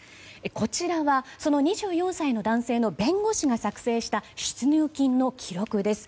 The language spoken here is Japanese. こちらはその２４歳の男性の弁護士が作成した出入金の記録です。